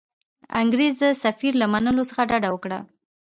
انګرېز د سفیر له منلو څخه ډډه وکړي.